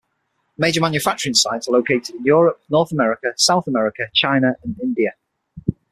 Major manufacturing sites are located in Europe, North America, South America, China and India.